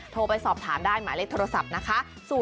โทรไปสอบถามได้หมายเลขโทรศัพท์นะคะ